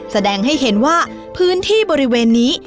แสดงให้เห็นว่าพื้นที่บริเวณนี้